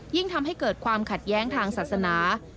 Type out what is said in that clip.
ยิ่งทำให้เกิดความขัดแย้งทางศาสนา